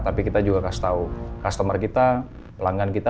tapi kita juga kasih tahu customer kita pelanggan kita